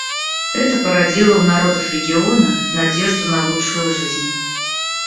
Это породило у народов региона надежду на лучшую жизнь.